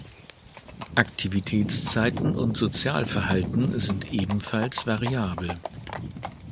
Aktivitätszeiten und Sozialverhalten sind ebenfalls variabel.